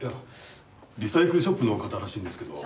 リサイクルショップの方らしいんですけど。